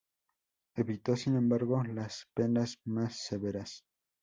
Evitó sin embargo las penas más severas.